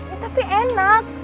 ya tapi enak